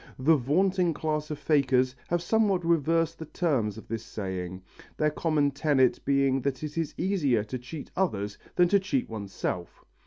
The vaunting class of fakers have somewhat reversed the terms of this saying, their common tenet being that it is easier to cheat others than to cheat oneself.